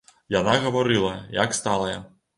Яна гаварыла, як сталая.